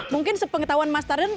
mungkin sepengetahuan mas tarzan